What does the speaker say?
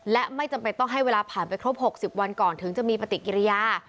และไม่จำเป็นต้องให้เวลาผ่านไปครบ๖๐วันก่อนถึงจะมีปฏิกิริยา